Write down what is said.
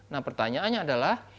nah pertanyaannya adalah